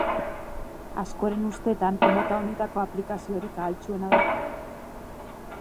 Askoren ustetan, mota honetako aplikaziorik ahaltsuena da, gainera.